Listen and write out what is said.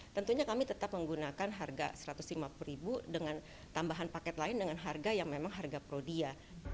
tentunya kami tetap menggunakan harga rp satu ratus lima puluh dengan tambahan paket lain dengan harga yang memang harga prodia